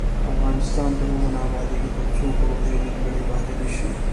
افغانستان تر هغو نه ابادیږي، ترڅو پروژې نیمګړې پاتې نشي.